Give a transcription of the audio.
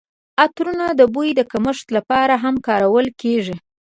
عطرونه د بوی د کمښت لپاره هم کارول کیږي.